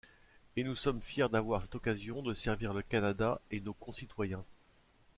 Et nous sommes fiers d'avoir cette occasion de servir le Canada et nos concitoyens.